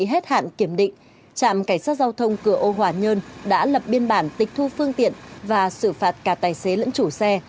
hết hạn kiểm định trạm cảnh sát giao thông cửa ô hòa nhơn đã lập biên bản tịch thu phương tiện và xử phạt cả tài xế lẫn chủ xe